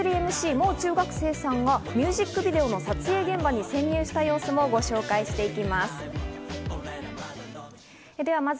もう中学生さんがミュージックビデオの撮影現場に潜入した様子もご紹介していきます。